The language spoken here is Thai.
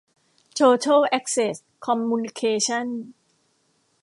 โทเทิ่ล แอ็คเซ็ส คอมมูนิเคชั่น